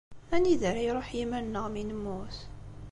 Anida ara iṛuḥ yiman-nneɣ mi nemmut?